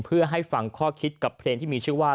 เพื่อให้ฟังข้อคิดกับเพลงที่มีชื่อว่า